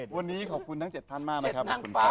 วันนี้ขอบคุณทั้งเจ็ดท่านมากทางคุณค่ะ